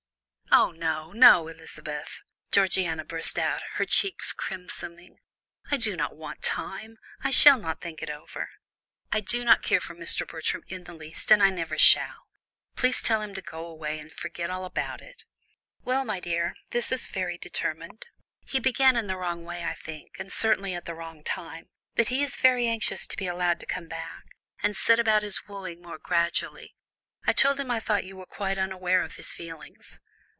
"Oh, no, no, Elizabeth," Georgiana burst out, her cheeks crimsoning, "I do not want time I shall not think it over. I do not care for Mr. Bertram in the least, and I never shall. Please tell him to go away and forget all about it." "Why, my dear, this is very determined. He began in the wrong way, I think, and certainly at the wrong time, but he is very anxious to be allowed to come back, and set about his wooing more gradually. I told him I thought you were quite unaware of his feelings."